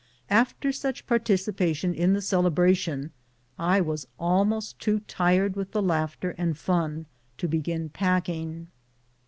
After such participa tion in the celebration, I was almost too tired with the laughter and fun to begin packing.